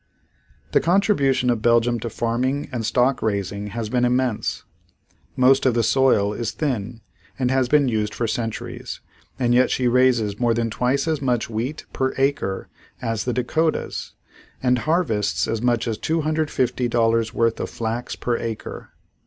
The contribution of Belgium to farming and stock raising has been immense. Most of the soil is thin and has been used for centuries, and yet she raises more than twice as much wheat per acre as the Dakotas and harvests as much as $250 worth of flax per acre.